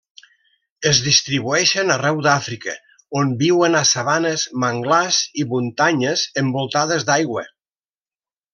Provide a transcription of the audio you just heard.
Es distribueixen arreu d'Àfrica, on viuen a sabanes, manglars i muntanyes envoltades d'aigua.